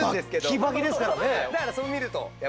バッキバキですからね。